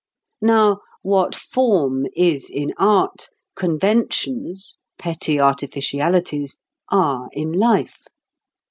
Now, what form is in art, conventions (petty artificialities) are in life.